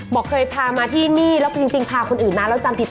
บอกเคยพามาที่นี่แล้วจริงพาคนอื่นมาแล้วจำผิด